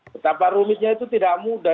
betapa rumitnya itu tidak mudah